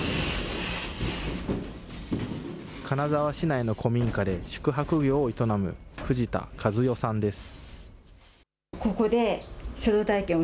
金沢市内の古民家で宿泊業を営む藤田和代さんです。